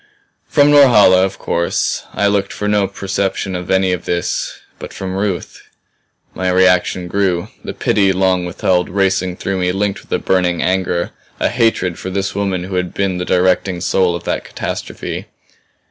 From Norhala, of course, I looked for no perception of any of this. But from Ruth My reaction grew; the pity long withheld racing through me linked with a burning anger, a hatred for this woman who had been the directing soul of that catastrophe.